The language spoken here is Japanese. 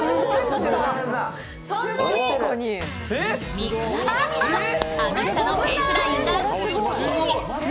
見比べてみると、顎下のフェイスラインがはっきり。